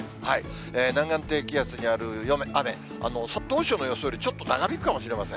南岸低気圧による雨、当初の予想よりちょっと長引くかもしれません。